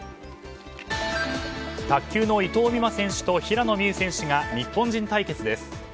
卓球の伊藤美誠選手と平野美宇選手が日本人対決です。